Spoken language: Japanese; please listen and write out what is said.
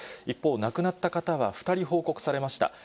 一方、亡くなった方は２人報告されました。